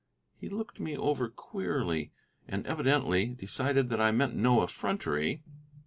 He looked me over queerly, and evidently decided that I meant no effrontery.